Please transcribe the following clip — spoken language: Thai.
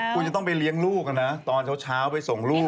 คุณจะต้องไปเลี้ยงลูกนะตอนเช้าไปส่งลูก